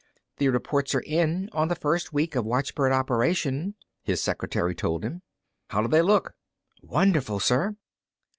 "The reports are in on the first week of watchbird operation," his secretary told him. "How do they look?" "Wonderful, sir."